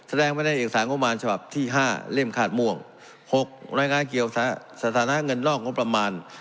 แสดงไว้ในเอกสารงบประมาณฉบับที่๕เล่มขาดม่วง๖รายงานเกี่ยวสถานะเงินนอกงบประมาณ